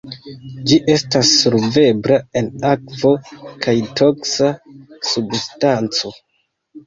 Ĝi estas solvebla en akvo kaj toksa substanco.